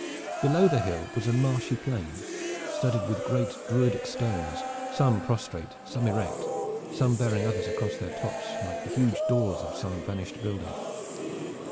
Below the hill was a marshy plain, studded with great Druidic stones, some prostrate, some erect, some bearing others across their tops like the huge doors of some vanished building.